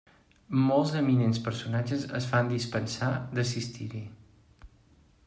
Molts eminents personatges es fan dispensar d'assistir-hi.